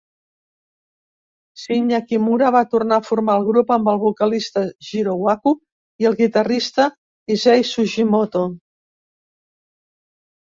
Shinya Kimura va tornar a formar el grup amb el vocalista Jiro Waku i el guitarrista Issei Sugimoto.